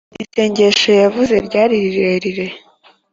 isengesho yavuze ryari rirerire